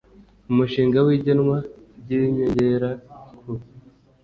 umushinga w igenwa ry inyongera ku